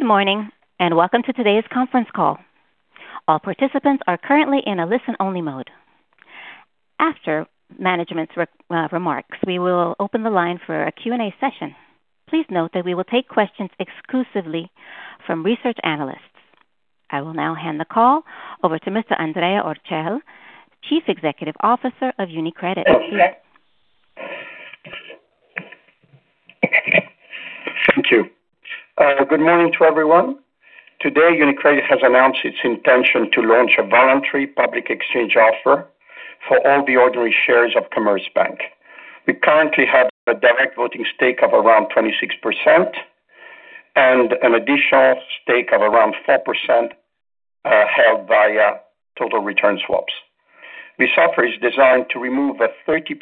Good morning, and welcome to today's conference call. All participants are currently in a listen-only mode. After management's remarks, we will open the line for a Q&A session. Please note that we will take questions exclusively from research analysts. I will now hand the call over to Mr. Andrea Orcel, Chief Executive Officer of UniCredit. Thank you. Good morning to everyone. Today, UniCredit has announced its intention to launch a voluntary public exchange offer for all the ordinary shares of Commerzbank. We currently have a direct voting stake of around 26% and an additional stake of around 4%, held via total return swaps. This offer is designed to remove a 30%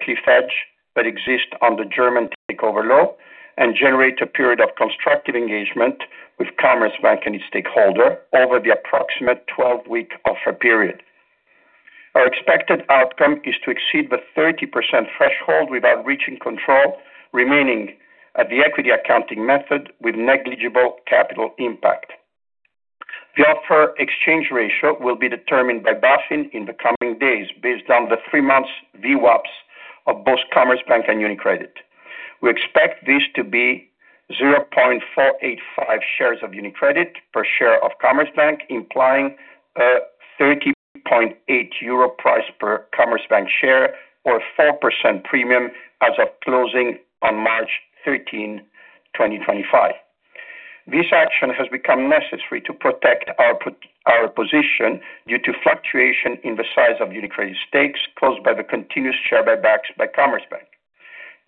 cliff edge that exists on the German takeover law and generate a period of constructive engagement with Commerzbank and its stakeholder over the approximate 12-week offer period. Our expected outcome is to exceed the 30% threshold without reaching control, remaining at the equity accounting method with negligible capital impact. The offer exchange ratio will be determined by BaFin in the coming days based on the 3 months VWAPs of both Commerzbank and UniCredit. We expect this to be 0.485 shares of UniCredit per share of Commerzbank, implying a 30.8 euro price per Commerzbank share or a 4% premium as of closing on March 13, 2025. This action has become necessary to protect our position due to fluctuation in the size of UniCredit stakes caused by the continuous share buybacks by Commerzbank.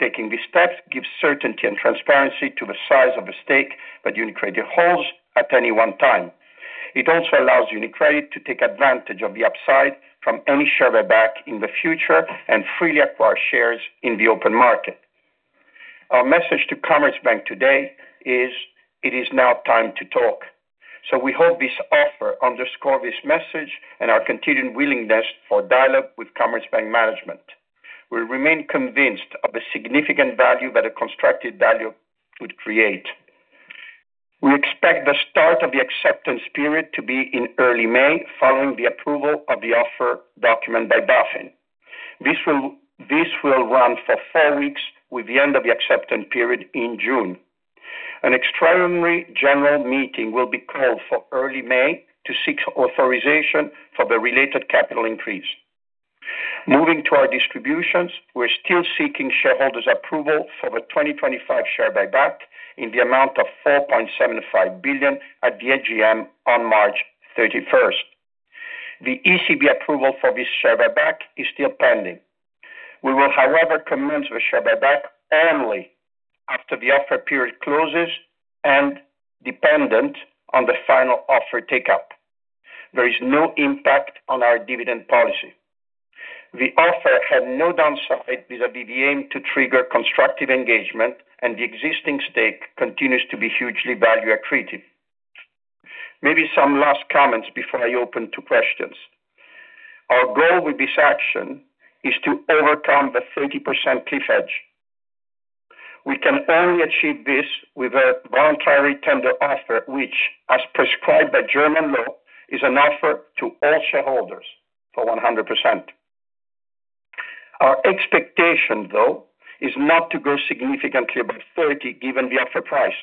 Taking these steps gives certainty and transparency to the size of the stake that UniCredit holds at any one time. It also allows UniCredit to take advantage of the upside from any share buyback in the future and freely acquire shares in the open market. Our message to Commerzbank today is it is now time to talk. We hope this offer underscore this message and our continued willingness for dialogue with Commerzbank management. We remain convinced of the significant value that a constructed value would create. We expect the start of the acceptance period to be in early May, following the approval of the offer document by BaFin. This will run for four weeks with the end of the acceptance period in June. An extraordinary general meeting will be called for early May to seek authorization for the related capital increase. Moving to our distributions, we're still seeking shareholders' approval for the 2025 share buyback in the amount of 4.75 billion at the AGM on March 31. The ECB approval for this share buyback is still pending. We will, however, commence the share buyback only after the offer period closes and dependent on the final offer take-up. There is no impact on our dividend policy. The offer had no downside vis-à-vis the aim to trigger constructive engagement, and the existing stake continues to be hugely value accretive. Maybe some last comments before I open to questions. Our goal with this action is to overcome the 30% cliff edge. We can only achieve this with a voluntary tender offer, which, as prescribed by German law, is an offer to all shareholders for 100%. Our expectation, though, is not to grow significantly above 30, given the offer price.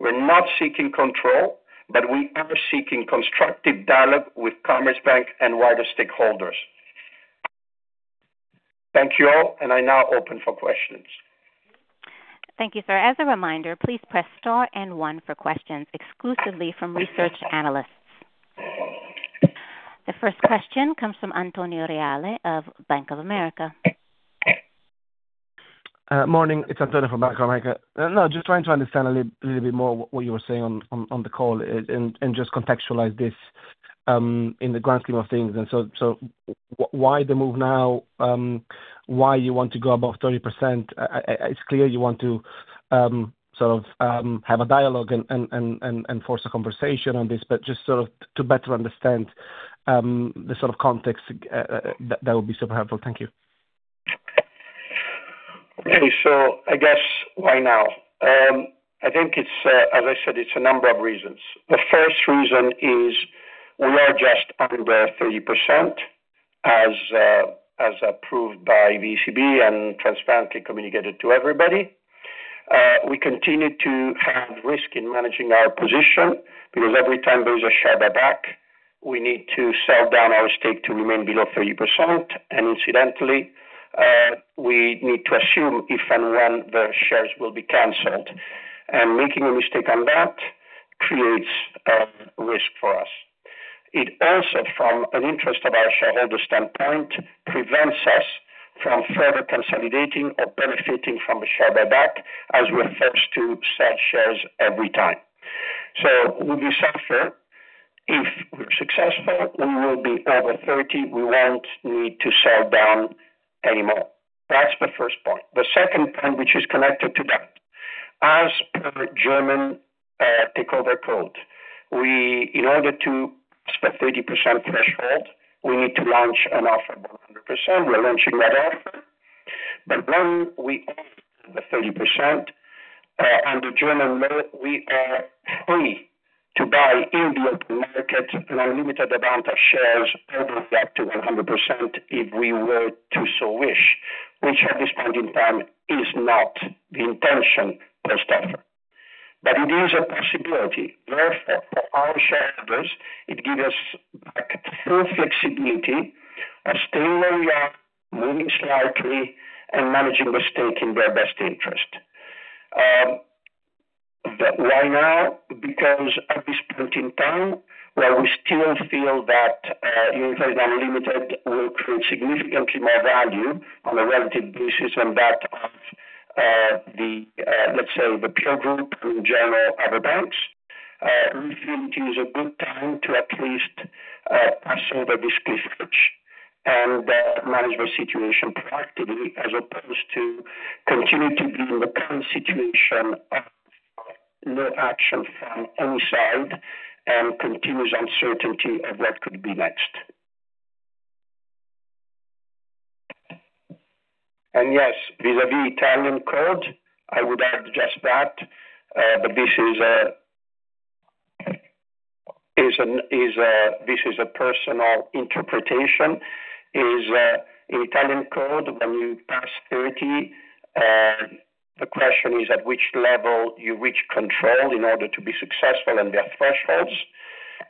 We're not seeking control, but we are seeking constructive dialogue with Commerzbank and wider stakeholders. Thank you all, and I now open for questions. Thank you, sir. As a reminder, please press star and one for questions exclusively from research analysts. The first question comes from Antonio Reale of Bank of America. Morning, it's Antonio from Bank of America. Now, just trying to understand a little bit more what you were saying on the call and just contextualize this in the grand scheme of things. Why the move now? Why you want to go above 30%? It's clear you want to sort of have a dialogue and force a conversation on this, but just sort of to better understand the sort of context that would be super helpful. Thank you. Okay. I guess why now? I think it's, as I said, it's a number of reasons. The first reason is we are just under 30% as approved by the ECB and transparently communicated to everybody. We continue to have risk in managing our position because every time there is a share buyback, we need to sell down our stake to remain below 30%. Incidentally, we need to assume if and when the shares will be canceled. Making a mistake on that creates risk for us. It also, from an interest of our shareholder standpoint, prevents us from further consolidating or benefiting from a share buyback as we're forced to sell shares every time. With this offer, if we're successful, we will be over 30. We won't need to sell down anymore. That's the first point. The second point, which is connected to that, as per German takeover code, we, in order to pass the 30% threshold, we need to launch an offer of 100%. We're launching that offer. When we own the 30%, under German law, we are free to buy in the open market an unlimited amount of shares, building that to 100% if we were to so wish, which at this point in time is not the intention post offer. It is a possibility. Therefore, for our shareholders, it give us like full flexibility of staying where we are, moving slightly, and managing the stake in their best interest. Why now? Because at this point in time, while we still feel that UniCredit Unlocked will create significantly more value on a relative basis than that of the let's say the peer group in general other banks, we think is a good time to at least pursue the discussion and manage the situation proactively as opposed to continue to be in the current situation of no action from inside and continuous uncertainty of what could be next. Yes, vis-à-vis Italian Code, I would add just that, but this is a personal interpretation. In Italian Code, when you pass 30, the question is at which level you reach control in order to be successful and there are thresholds.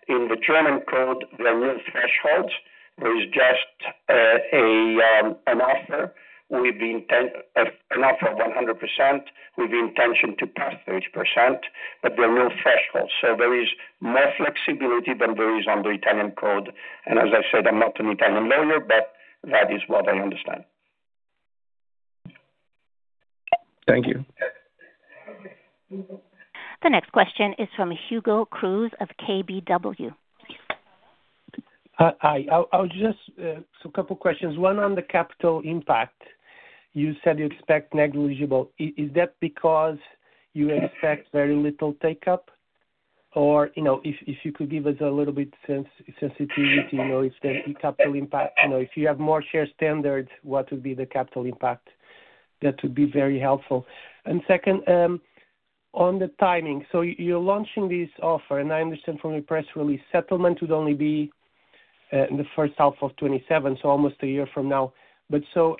In the German Code, there are no thresholds. There is just an offer with the intent of an offer of 100% with the intention to pass 30%, but there are no thresholds. There is more flexibility than there is on the Italian code. As I said, I'm not an Italian lawyer, but that is what I understand. Thank you. The next question is from Hugo Cruz of KBW. Hi. I'll just. A couple questions. One on the capital impact. You said you expect negligible. Is that because you expect very little take-up? Or, you know, if you could give us a little bit sensitivity, you know, if there's any capital impact, you know, if you have more shares tendered, what would be the capital impact? That would be very helpful. Second, on the timing. You're launching this offer, and I understand from your press release settlement would only be in the first half of 2027, so almost a year from now. But so,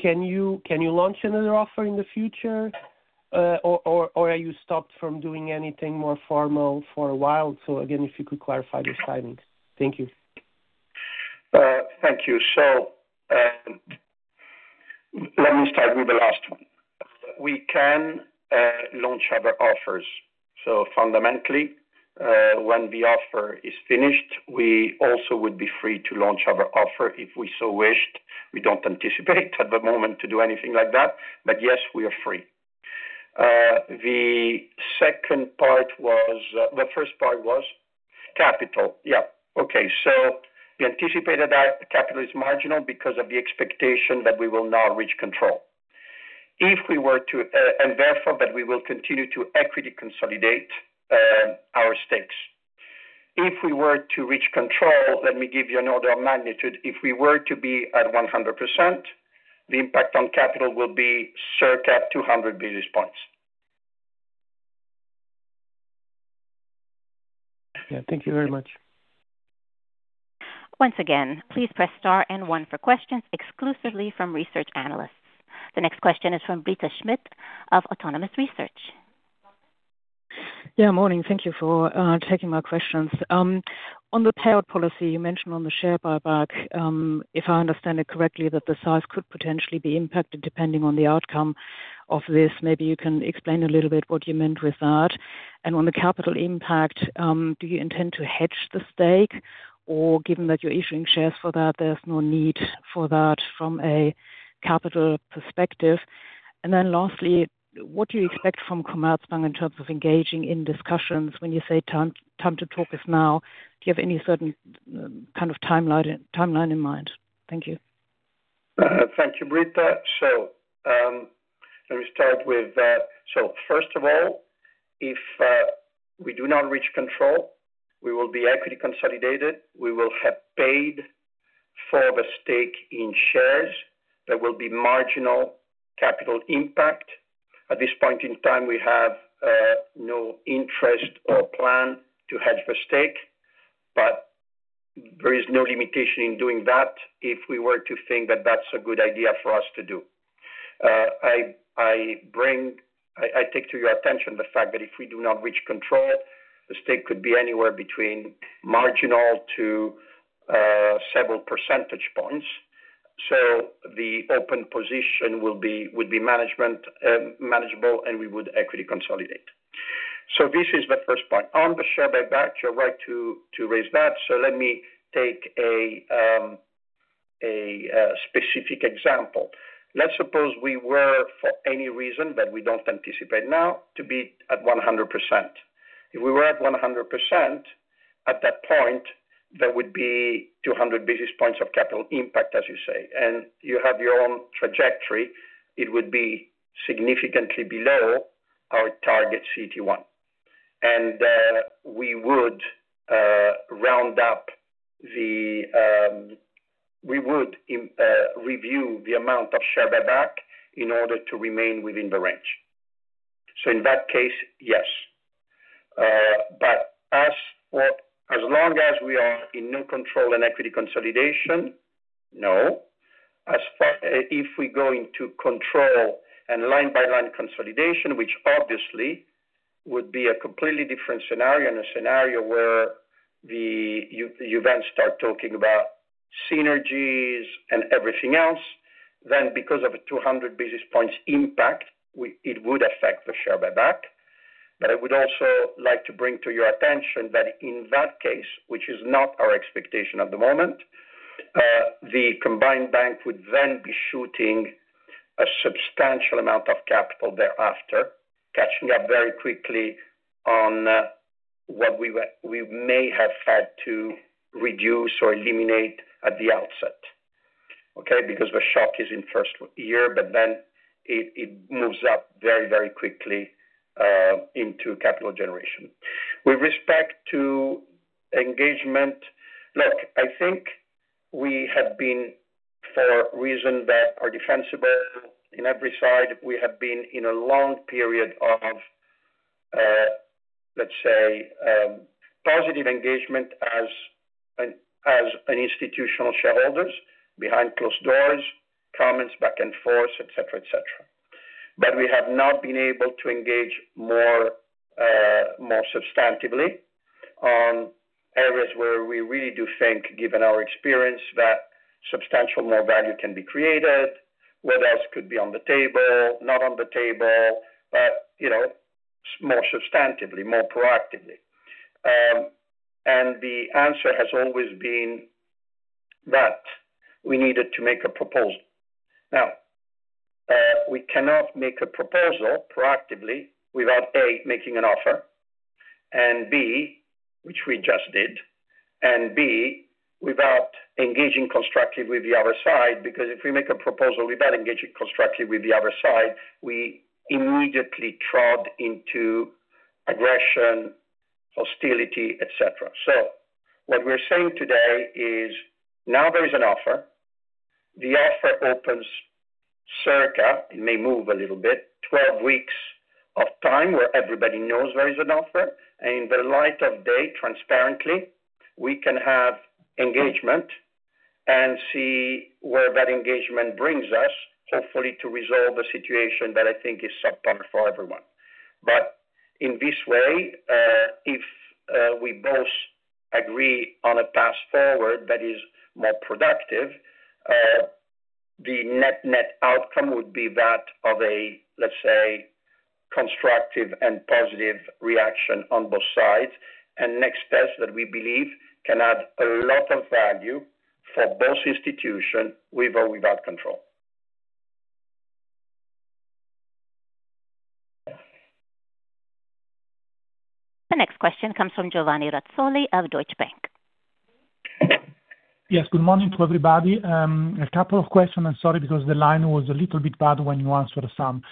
can you launch another offer in the future, or are you stopped from doing anything more formal for a while? Again, if you could clarify this timing. Thank you. Thank you. Let me start with the last one. We can launch other offers. Fundamentally, when the offer is finished, we also would be free to launch other offer if we so wished. We don't anticipate at the moment to do anything like that. But yes, we are free. The second part was. The first part was? Capital. Yeah. Okay. The anticipated capital is marginal because of the expectation that we will not reach control and therefore that we will continue to equity consolidate our stakes. If we were to reach control, let me give you an order of magnitude. If we were to be at 100%, the impact on capital will be circa 200 basis points. Yeah. Thank you very much. Once again, please press star and one for questions exclusively from research analysts. The next question is from Britta Schmidt of Autonomous Research. Yeah, morning. Thank you for taking my questions. On the payout policy, you mentioned on the share buyback, if I understand it correctly, that the size could potentially be impacted depending on the outcome of this. Maybe you can explain a little bit what you meant with that. On the capital impact, do you intend to hedge the stake? Or given that you're issuing shares for that, there's no need for that from a capital perspective? Then lastly, what do you expect from Commerzbank in terms of engaging in discussions when you say time to talk is now? Do you have any certain kind of timeline in mind? Thank you. Thank you, Britta. Let me start with that. First of all, if we do not reach control, we will be equity consolidated, we will have paid for the stake in shares. There will be marginal capital impact. At this point in time, we have no interest or plan to hedge the stake, but there is no limitation in doing that if we were to think that that's a good idea for us to do. I take to your attention the fact that if we do not reach control, the stake could be anywhere between marginal to several percentage points. The open position will be manageable, and we would equity consolidate. This is the first point. On the share buyback, you're right to raise that. Let me take a specific example. Let's suppose we were, for any reason, but we don't anticipate now, to be at 100%. If we were at 100%, at that point, there would be 200 basis points of capital impact, as you say. You have your own trajectory, it would be significantly below our target CET1. We would review the amount of share buyback in order to remain within the range. In that case, yes. But as long as we are with no control and equity consolidation, no. As far. If we go into control and line by line consolidation, which obviously would be a completely different scenario and a scenario where you then start talking about synergies and everything else, then because of a 200 basis points impact, it would affect the share buyback. I would also like to bring to your attention that in that case, which is not our expectation at the moment, the combined bank would then be shooting a substantial amount of capital thereafter, catching up very quickly on what we may have had to reduce or eliminate at the outset, okay. Because the shock is in first year, but then it moves up very, very quickly into capital generation. With respect to engagement, look, I think we have been, for reasons that are defensible on every side, we have been in a long period of, let's say, positive engagement as institutional shareholders behind closed doors, comments back and forth, et cetera, et cetera. We have not been able to engage more, more substantively on areas where we really do think, given our experience, that substantially more value can be created, what else could be on the table, not on the table, but, you know, more substantively, more proactively. The answer has always been that we needed to make a proposal. We cannot make a proposal proactively without, A, making an offer, and B, which we just did, without engaging constructively with the other side, because if we make a proposal without engaging constructively with the other side, we immediately trod into aggression, hostility, et cetera. What we're saying today is, now there is an offer. The offer opens circa, it may move a little bit, 12 weeks of time where everybody knows there is an offer. In the light of day, transparently, we can have engagement and see where that engagement brings us, hopefully to resolve a situation that I think is subpar for everyone. In this way, if we both agree on a path forward that is more productive, the net-net outcome would be that of a, let's say, constructive and positive reaction on both sides. Next steps that we believe can add a lot of value for both institutions, with or without control. The next question comes from Giovanni Razzoli of Deutsche Bank. Yes. Good morning to everybody. A couple of questions. Sorry because the line was a little bit bad when you answered some.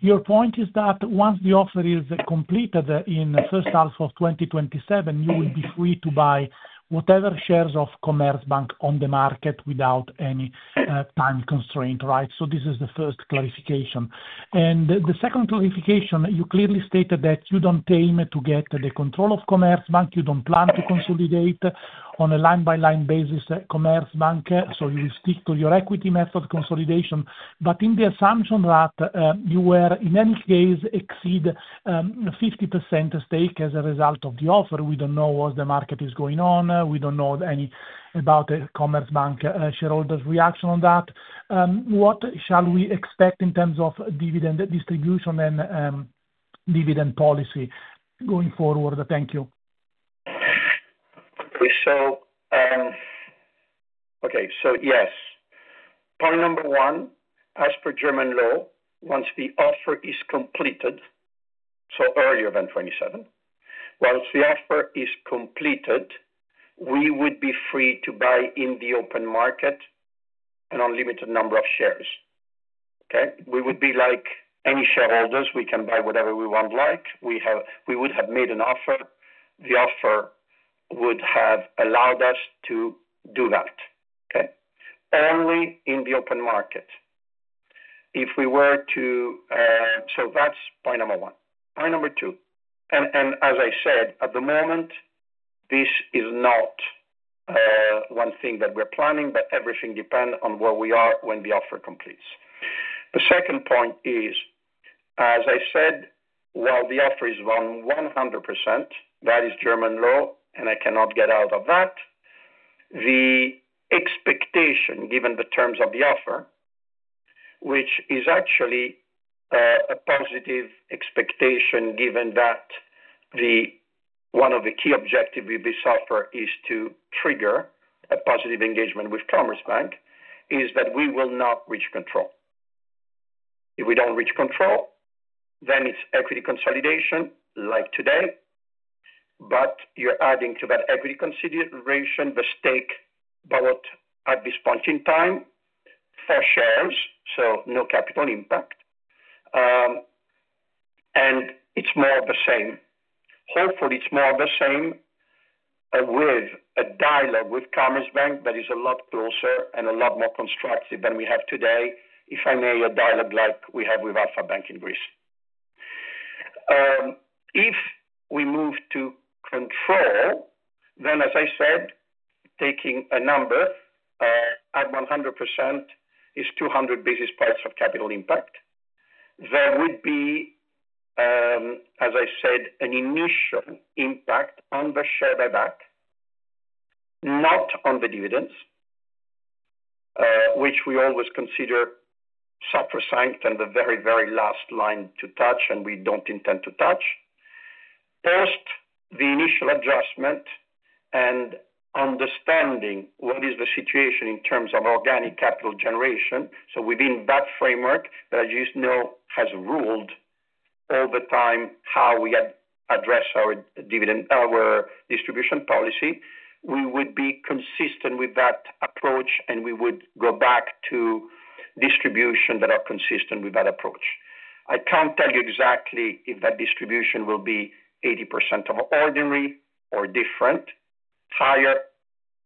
Your point is that once the offer is completed in the first half of 2027, you will be free to buy whatever shares of Commerzbank on the market without any time constraint, right? This is the first clarification. The second clarification, you clearly stated that you don't aim to get the control of Commerzbank. You don't plan to consolidate on a line by line basis at Commerzbank, so you stick to your equity method consolidation. In the assumption that you were in any case to exceed a 50% stake as a result of the offer, we don't know what's going on in the market, we don't know anything about Commerzbank shareholders' reaction to that. What shall we expect in terms of dividend distribution and dividend policy going forward? Thank you. Yes. Point number one, as per German law, once the offer is completed, we would be free to buy in the open market an unlimited number of shares. Okay? We would be like any shareholders. We can buy whatever we want like. We would have made an offer. The offer would have allowed us to do that. Okay? Only in the open market. If we were to. That's point number one. Point number two. As I said, at the moment, this is not one thing that we're planning, but everything depend on where we are when the offer completes. The second point is, as I said, while the offer is 100%, that is German law, and I cannot get out of that. The expectation, given the terms of the offer, which is actually a positive expectation given that one of the key objective with this offer is to trigger a positive engagement with Commerzbank, is that we will not reach control. If we don't reach control, then it's equity consolidation like today, but you're adding to that equity consideration the stake bought at this point in time for shares, so no capital impact. It's more of the same. Hopefully, it's more of the same with a dialogue with Commerzbank that is a lot closer and a lot more constructive than we have today, if I may, a dialogue like we have with Alpha Bank in Greece. If we move to control, then as I said, taking a number at 100% is 200 basis points of capital impact. There would be, as I said, an initial impact on the share buyback, not on the dividends, which we always consider sacrosanct and the very, very last line to touch, and we don't intend to touch. Post the initial adjustment and understanding what is the situation in terms of organic capital generation. Within that framework that, as you know, has ruled all the time how we address our dividend, our distribution policy, we would be consistent with that approach, and we would go back to distribution that are consistent with that approach. I can't tell you exactly if that distribution will be 80% of ordinary or different, higher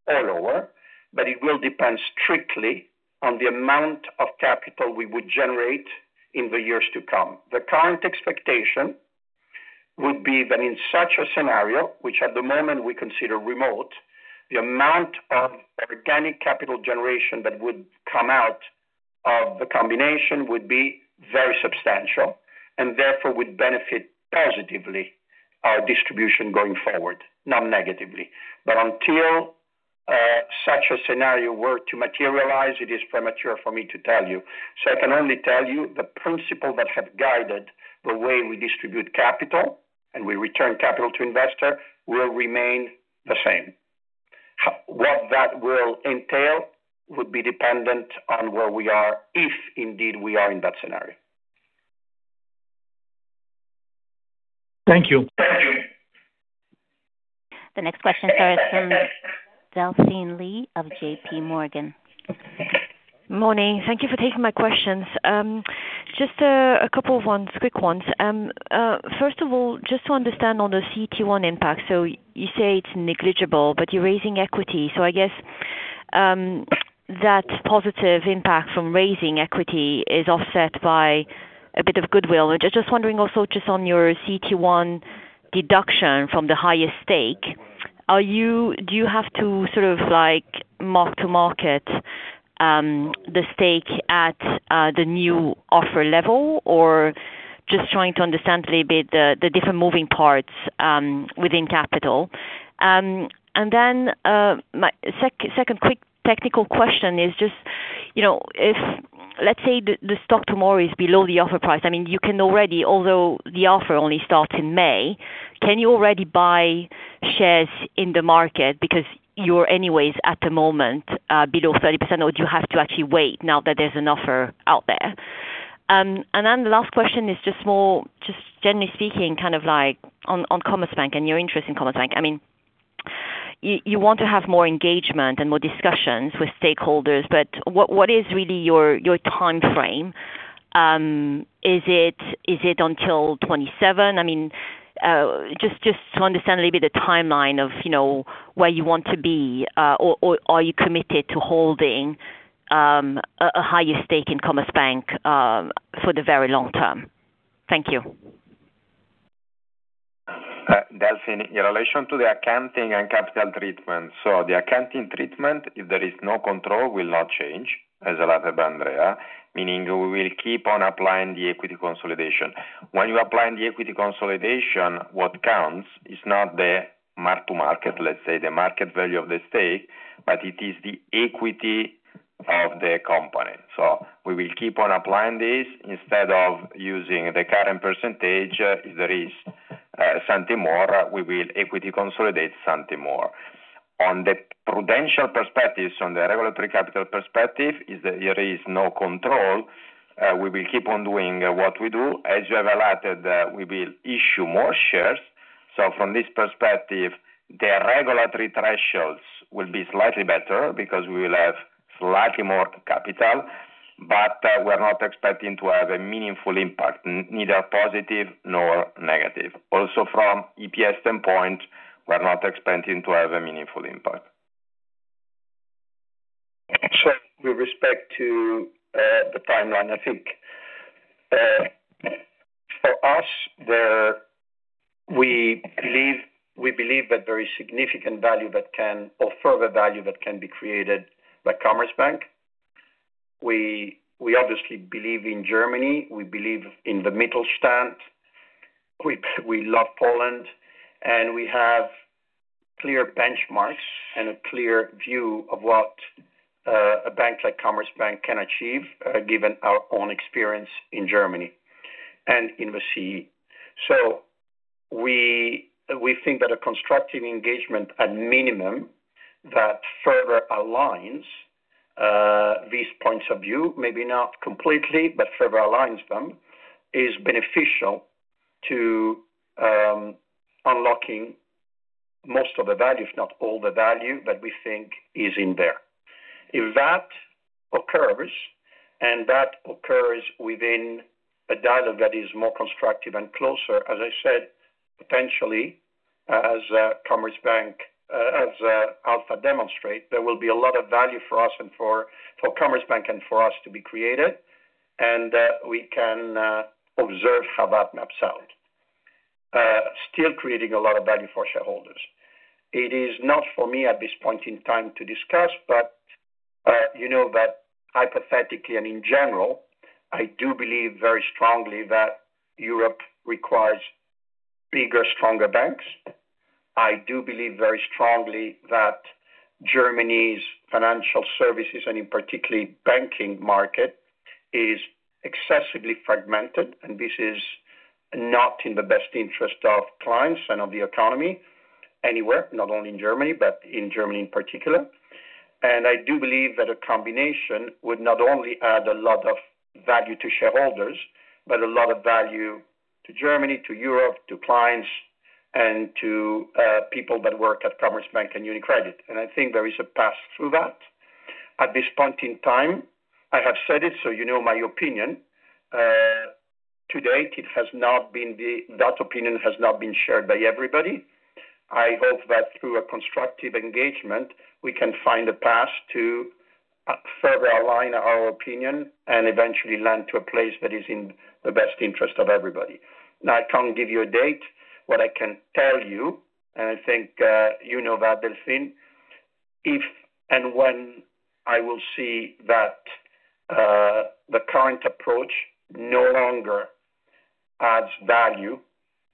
or lower, but it will depend strictly on the amount of capital we would generate in the years to come. The current expectation would be that in such a scenario, which at the moment we consider remote, the amount of organic capital generation that would come out of the combination would be very substantial and therefore would benefit positively our distribution going forward, not negatively. Until such a scenario were to materialize, it is premature for me to tell you. I can only tell you the principles that have guided the way we distribute capital, and we return capital to investors, will remain the same. What that will entail would be dependent on where we are, if indeed we are in that scenario. Thank you. The next question, sir, is from Delphine Lee of JP Morgan. Morning. Thank you for taking my questions. Just a couple of quick ones. First of all, just to understand on the CET1 impact. You say it's negligible, but you're raising equity. I guess that positive impact from raising equity is offset by a bit of goodwill. Just wondering also just on your CET1 deduction from the highest stake, do you have to sort of like mark to market the stake at the new offer level? Or just trying to understand a little bit the different moving parts within capital. My second quick technical question is just, you know, if let's say the stock tomorrow is below the offer price. I mean, you can already, although the offer only starts in May, can you already buy shares in the market because you're anyways at the moment below 30%, or would you have to actually wait now that there's an offer out there? The last question is just more generally speaking, kind of like on Commerzbank and your interest in Commerzbank. I mean, you want to have more engagement and more discussions with stakeholders, but what is really your time frame? Is it until 2027? I mean, just to understand a little bit the timeline of, you know, where you want to be, or are you committed to holding a higher stake in Commerzbank for the very long term? Thank you. Delphine, in relation to the accounting and capital treatment, the accounting treatment, if there is no control, will not change, as highlighted by Andrea, meaning we will keep on applying the equity consolidation. When you're applying the equity consolidation, what counts is not the mark to market, let's say, the market value of the stake, but it is the equity of the company. We will keep on applying this instead of using the current percentage. If there is something more, we will equity consolidate something more. On the prudential perspective, from the regulatory capital perspective, if there is no control, we will keep on doing what we do. As you have highlighted, we will issue more shares. From this perspective, the regulatory thresholds will be slightly better because we will have slightly more capital, but we're not expecting to have a meaningful impact, neither positive nor negative. Also from EPS standpoint, we're not expecting to have a meaningful impact. With respect to the timeline, I think for us, we believe that there is significant value that can or further value that can be created by Commerzbank. We obviously believe in Germany, we believe in the Mittelstand, we love Poland, and we have clear benchmarks and a clear view of what a bank like Commerzbank can achieve, given our own experience in Germany and in the CEE. We think that a constructive engagement at minimum that further aligns these points of view, maybe not completely, but further aligns them, is beneficial to unlocking most of the value, if not all the value that we think is in there. If that occurs, and that occurs within a dialog that is more constructive and closer, as I said, potentially as Commerzbank and Alpha demonstrate, there will be a lot of value for us and for Commerzbank and for us to be created, and we can observe how that maps out. Still creating a lot of value for shareholders. It is not for me at this point in time to discuss, but you know that hypothetically and in general, I do believe very strongly that Europe requires bigger, stronger banks. I do believe very strongly that Germany's financial services, and in particular, the banking market, is excessively fragmented, and this is not in the best interest of clients and of the economy anywhere, not only in Germany, but in Germany in particular. I do believe that a combination would not only add a lot of value to shareholders, but a lot of value to Germany, to Europe, to clients and to people that work at Commerzbank and UniCredit. I think there is a path through that. At this point in time, I have said it, so you know my opinion. To date, that opinion has not been shared by everybody. I hope that through a constructive engagement, we can find a path to further align our opinion and eventually land to a place that is in the best interest of everybody. Now, I can't give you a date. What I can tell you, and I think, you know that, Delphine, if and when I will see that the current approach no longer adds value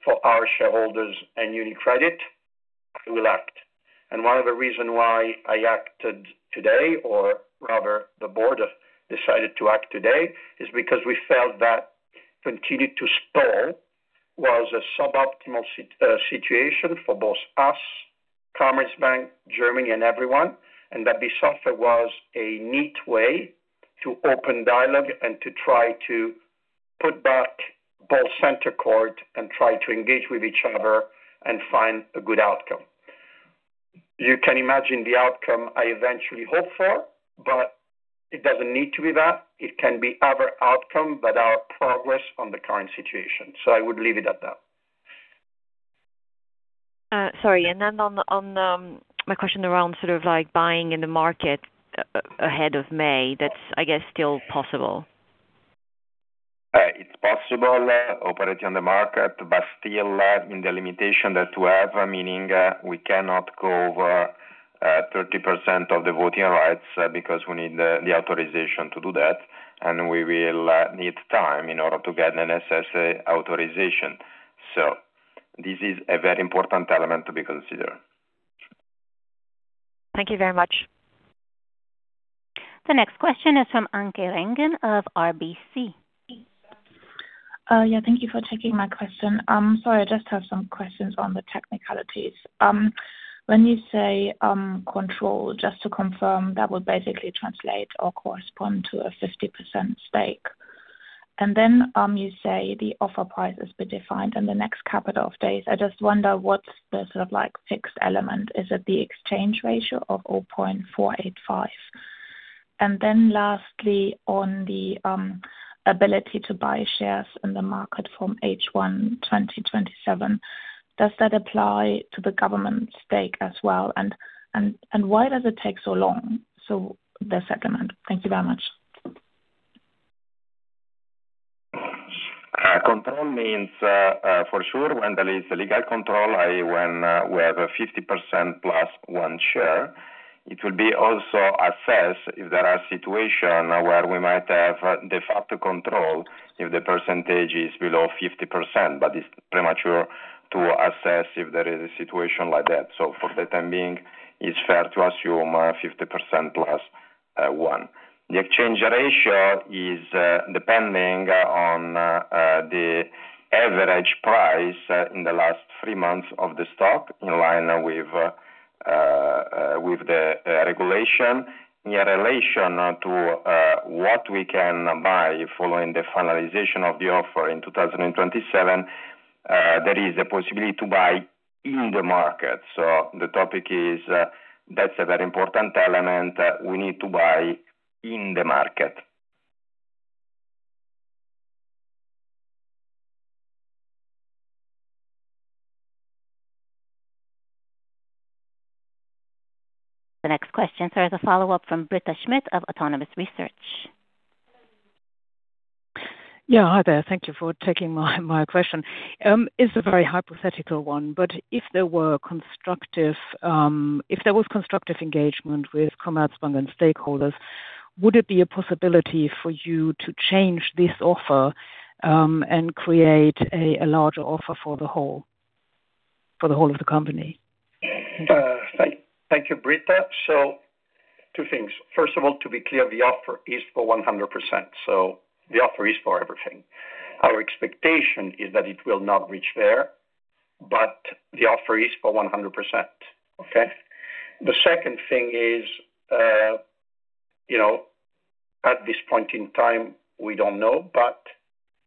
for our shareholders and UniCredit, I will act. One of the reason why I acted today, or rather the board decided to act today, is because we felt that continuing to stall was a suboptimal situation for both us, Commerzbank, Germany and everyone, and that this offer was a neat way to open dialogue and to try to put the ball back in their court and try to engage with each other and find a good outcome. You can imagine the outcome I eventually hope for, but it doesn't need to be that. It can be other outcome, but progress on the current situation. I would leave it at that. Sorry. On my question around sort of like buying in the market ahead of May, that's, I guess, still possible. It's possible, operating on the market, but still, in the limitation that we have, meaning, we cannot go over 30% of the voting rights, because we need the authorization to do that, and we will need time in order to get an SSM authorization. This is a very important element to be considered. Thank you very much. The next question is from Anke Reingen of RBC. Yeah. Thank you for taking my question. So I just have some questions on the technicalities. When you say control, just to confirm, that would basically translate or correspond to a 50% stake. Then you say the offer price has been defined in the next couple of days. I just wonder, what's the sort of like fixed element? Is it the exchange ratio of 0.485? Then lastly, on the ability to buy shares in the market from H1 2027, does that apply to the government stake as well? Why does it take so long? The second one. Thank you very much. Control means, for sure when there is a legal control, i.e., when we have a 50% plus one share. It will be also assessed if there are situations where we might have de facto control if the percentage is below 50%, but it's premature to assess if there is a situation like that. For the time being, it's fair to assume 50% plus one. The exchange ratio is depending on the average price in the last three months of the stock in line with the regulation. In relation to what we can buy following the finalization of the offer in 2027, there is a possibility to buy in the market. The topic is, that's a very important element, we need to buy in the market. The next question, sir, is a follow-up from Britta Schmidt of Autonomous Research. Yeah. Hi there. Thank you for taking my question. It's a very hypothetical one, but if there was constructive engagement with Commerzbank and stakeholders, would it be a possibility for you to change this offer and create a larger offer for the whole of the company? Thank you, Britta. Two things. First of all, to be clear, the offer is for 100%. The offer is for everything. Our expectation is that it will not reach there, but the offer is for 100%. Okay? The second thing is, you know, point in time, we don't know.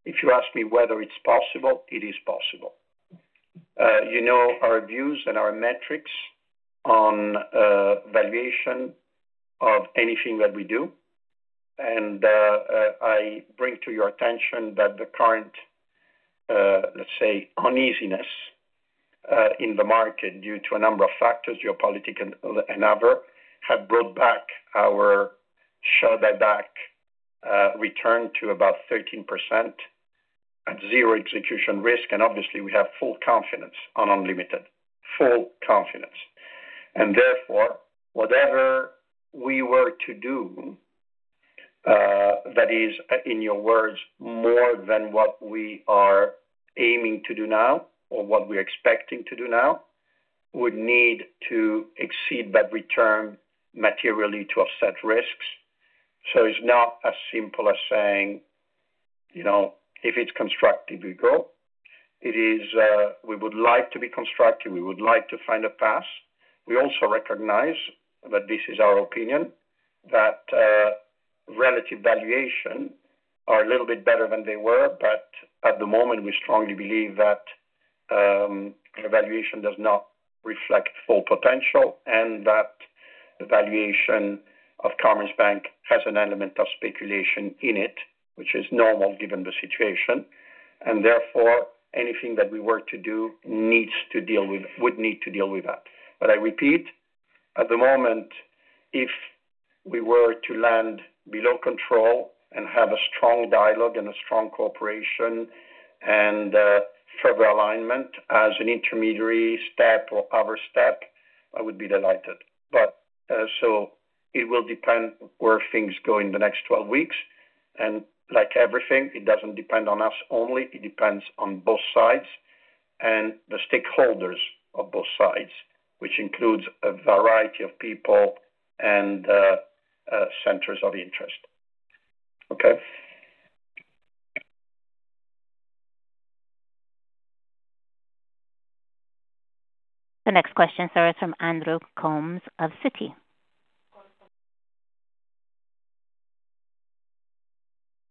If you ask me whether it is possible, it is possible. You know, our views and our metrics on valuation of anything that we do, and I bring to your attention that the current, let's say, uneasiness in the market due to a number of factors, geopolitical and other, have brought back our share buyback return to about 13% at zero execution risk. Obviously, we have full confidence on unlimited, full confidence. Therefore, whatever we were to do, that is, in your words, more than what we are aiming to do now or what we're expecting to do now, would need to exceed that return materially to offset risks. It's not as simple as saying, you know, if it's constructive, we go. It is, we would like to be constructive. We would like to find a path. We also recognize that this is our opinion, that relative valuation are a little bit better than they were. But at the moment, we strongly believe that valuation does not reflect full potential, and that the valuation of Commerzbank has an element of speculation in it, which is normal given the situation. Therefore, anything that we were to do would need to deal with that. I repeat, at the moment, if we were to land below control and have a strong dialogue and a strong cooperation and further alignment as an intermediary step or other step, I would be delighted. It will depend where things go in the next 12 weeks. Like everything, it doesn't depend on us only. It depends on both sides and the stakeholders of both sides, which includes a variety of people and centers of interest. Okay. The next question, sir, is from Andrew Coombs of Citi.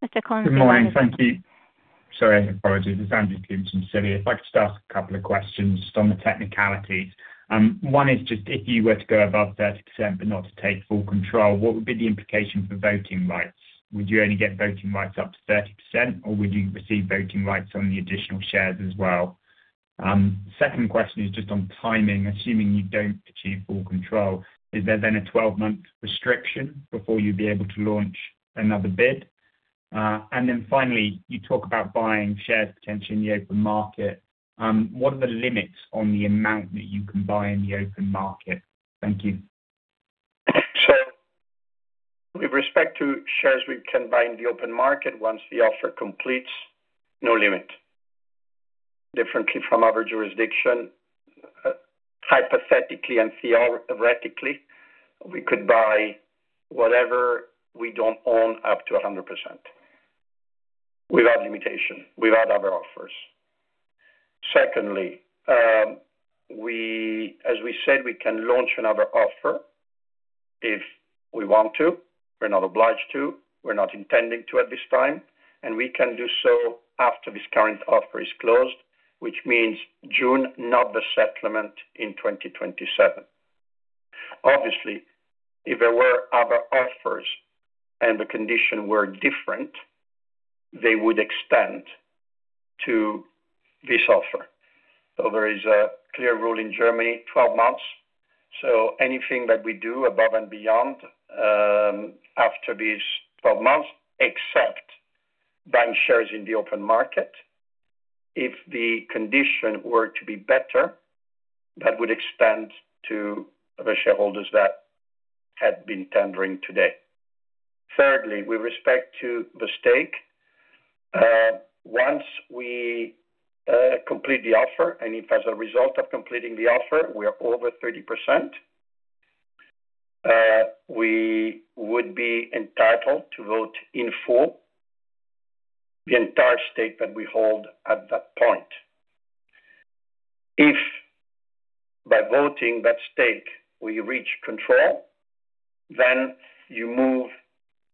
Mr. Coombs, your line is open. Good morning. Thank you. Sorry, apologies. It's Andrew Coombs from Citi. I'd like to start a couple of questions on the technicalities. One is just if you were to go above 30% but not to take full control, what would be the implication for voting rights? Would you only get voting rights up to 30%, or would you receive voting rights on the additional shares as well? Second question is just on timing. Assuming you don't achieve full control, is there then a 12-month restriction before you'd be able to launch another bid? And then finally, you talk about buying shares potentially in the open market. What are the limits on the amount that you can buy in the open market? Thank you. With respect to shares we can buy in the open market once the offer completes, no limit. Differently from our jurisdiction, hypothetically and theoretically, we could buy whatever we don't own up to 100% without limitation, without other offers. Secondly, as we said, we can launch another offer if we want to. We're not obliged to. We're not intending to at this time, and we can do so after this current offer is closed, which means June, not the settlement in 2027. Obviously, if there were other offers and the condition were different, they would extend to this offer. There is a clear rule in Germany, 12 months. Anything that we do above and beyond, after these 12 months, except buying shares in the open market. If the condition were to be better, that would extend to the shareholders that had been tendering today. Thirdly, with respect to the stake, once we complete the offer, and if as a result of completing the offer, we are over 30%, we would be entitled to vote in full the entire stake that we hold at that point. If by voting that stake we reach control, then you move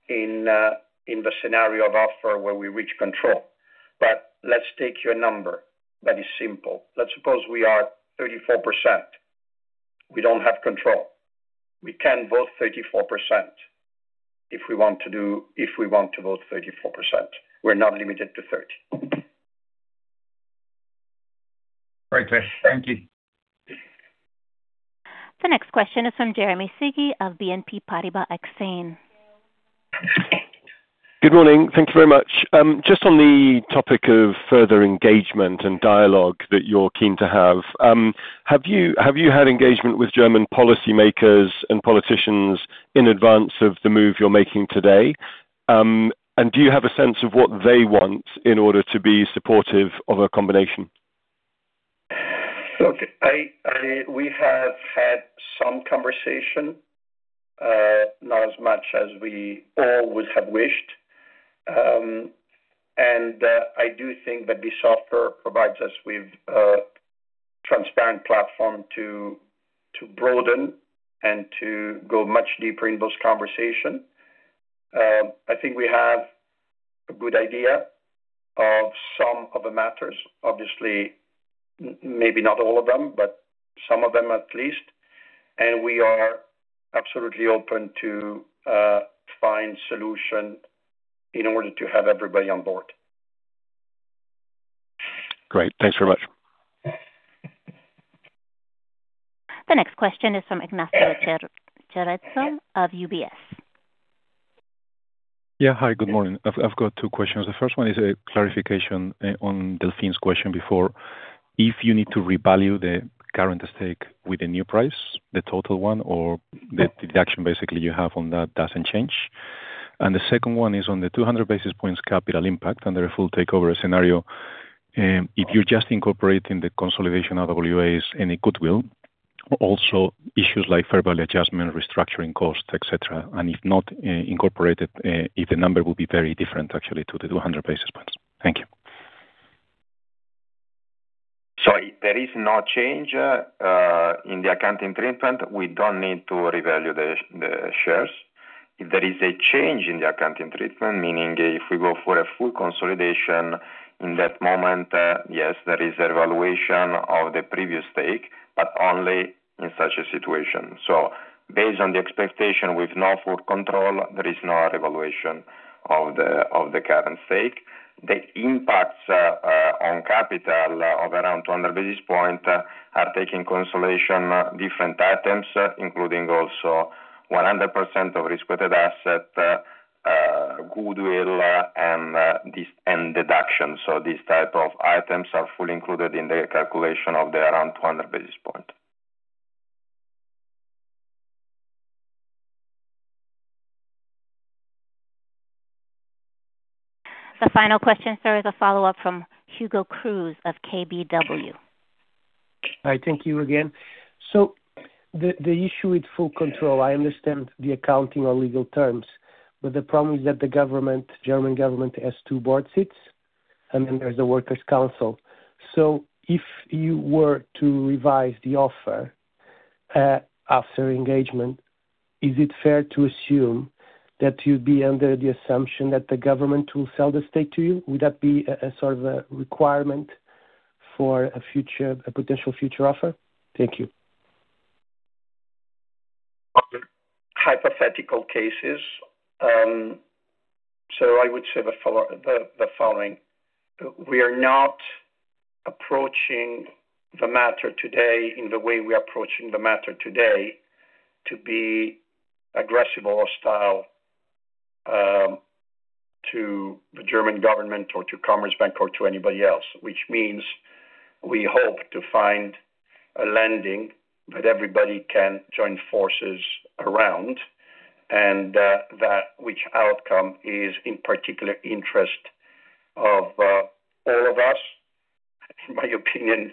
in the scenario of offer where we reach control. Let's take your number that is simple. Let's suppose we are 34%. We don't have control. We can vote 34% if we want to vote 34%. We're not limited to 30. Great. Thank you. The next question is from Jeremy Sigee of BNP Paribas Exane. Good morning. Thank you very much. Just on the topic of further engagement and dialogue that you're keen to have you had engagement with German policymakers and politicians in advance of the move you're making today? Do you have a sense of what they want in order to be supportive of a combination? Look, we have had some conversation, not as much as we all would have wished. I do think that this offer provides us with a transparent platform to broaden and to go much deeper in this conversation. I think we have a good idea of some of the matters. Obviously, maybe not all of them, but some of them at least. We are absolutely open to find a solution in order to have everybody on board. Great. Thanks very much. The next question is from Ignacio Cerezo of UBS. Yeah. Hi, good morning. I've got two questions. The first one is a clarification on Delphine's question before. If you need to revalue the current stake with a new price, the total one or the deduction basically you have on that doesn't change. The second one is on the 200 basis points capital impact under a full takeover scenario. If you're just incorporating the consolidation of RWAs any goodwill, also issues like verbal adjustment, restructuring costs, et cetera. If not incorporated, if the number will be very different actually to the 200 basis points. Thank you. There is no change in the accounting treatment. We don't need to revalue the shares. If there is a change in the accounting treatment, meaning if we go for a full consolidation in that moment, yes, there is a revaluation of the previous stake, but only in such a situation. Based on the expectation with no full control, there is no revaluation of the current stake. The impacts on capital of around 200 basis points are taking into consideration different items, including also 100% of risk-weighted assets, goodwill and intangibles and deductions. These type of items are fully included in the calculation of the around 200 basis points. The final question, sir, is a follow-up from Hugo Cruz of KBW. Hi. Thank you again. The issue with full control, I understand the accounting or legal terms, but the problem is that the government, German government has two board seats, and then there's the works council. If you were to revise the offer, after engagement, is it fair to assume that you'd be under the assumption that the government will sell the stake to you? Would that be a sort of a requirement for a future, a potential future offer? Thank you. Hypothetical cases. I would say the following. We are not approaching the matter today in the way we are approaching the matter today to be aggressive or hostile to the German government or to Commerzbank or to anybody else. Which means we hope to find a landing that everybody can join forces around, and that outcome is in particular interest of all of us, in my opinion,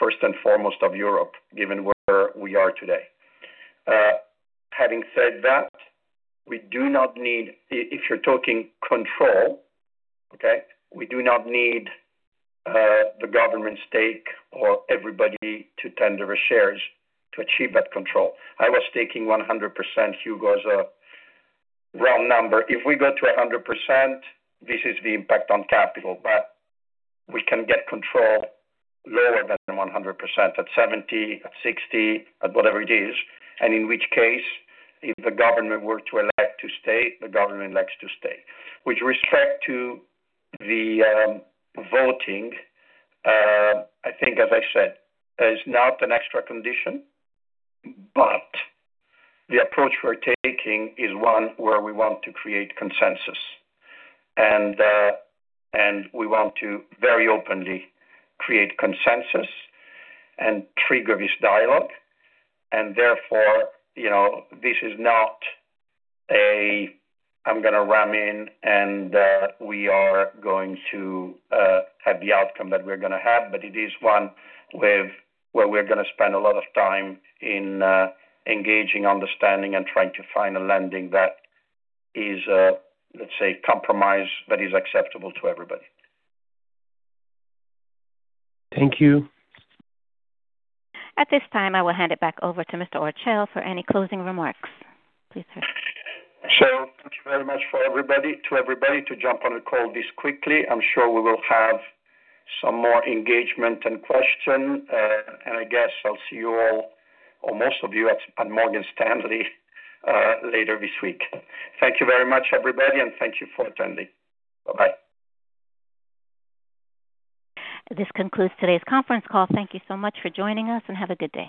first and foremost of Europe, given where we are today. Having said that, we do not need. If you're talking control, we do not need the government stake or everybody to tender their shares to achieve that control. I was taking 100%, Hugo, as a round number. If we go to 100%, this is the impact on capital. We can get control lower than 100%, at 70, at 60, at whatever it is, and in which case, if the government elects to stay. With respect to the voting, I think as I said, is not an extra condition, but the approach we're taking is one where we want to create consensus. We want to very openly create consensus and trigger this dialogue. Therefore, you know, this is not one where I'm gonna ram in and we are going to have the outcome that we're gonna have, but it is one where we're gonna spend a lot of time in engaging, understanding, and trying to find a landing that is, let's say, compromise that is acceptable to everybody. Thank you. At this time, I will hand it back over to Mr. Orcel for any closing remarks. Please, sir. Thank you very much to everybody for jumping on the call this quickly. I'm sure we will have some more engagement and question, and I guess I'll see you all or most of you at Morgan Stanley later this week. Thank you very much, everybody, and thank you for attending. Bye-bye. This concludes today's conference call. Thank you so much for joining us and have a good day.